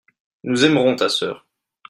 nous aimerons ta sœur.